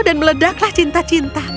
dan meledaklah cinta cinta